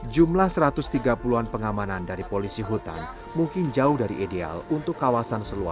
jumlah satu ratus tiga puluh an pengamanan dari polisi hutan mungkin jauh dari ideal untuk kawasan seluas